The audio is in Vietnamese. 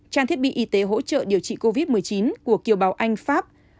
trang thiết bị y tế hỗ trợ điều trị covid một mươi chín của kiều bào anh pháp